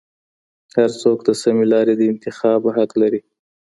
هر څوک د سمې لاري د انتخاب حق لري.